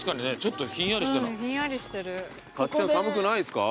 たっちゃん寒くないんすか？